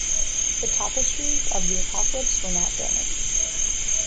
The Tapestries of the Apocalypse were not damaged.